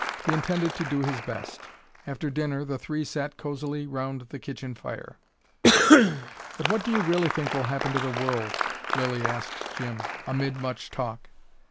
He intended to do his best. After dinner the three sat cosily round the kitchen fire. "But what do you really think will happen to the world?" Lilly asked Jim, amid much talk.